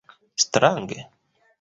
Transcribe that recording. Strange?